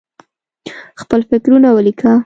خپل فکرونه ولیکه.